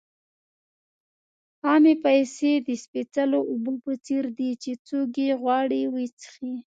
عامې پیسې د سپېڅلو اوبو په څېر دي چې څوک یې غواړي وڅښي.